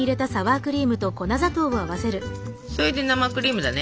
それで生クリームだね。